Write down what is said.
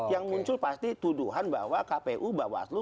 yang muncul pasti tuduhan bahwa kpu bawaslu